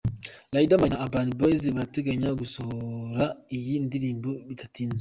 Riderman na Urban Boyz barateganya gusohora iyi ndirimbo bidatinze.